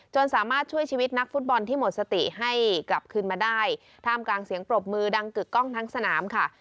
สามารถช่วยชีวิตนักฟุตบอลที่หมดสติให้กลับคืนมาได้ท่ามกลางเสียงปรบมือดังกึกกล้องทั้งสนามค่ะ